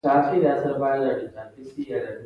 پرون مې غوا پر غوايه راغلې وه